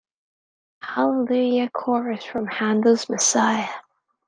The Hallelujah Chorus from Handel's Messiah.